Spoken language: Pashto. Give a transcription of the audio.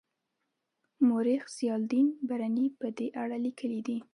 مورخ ضیاالدین برني په دې اړه لیکلي دي.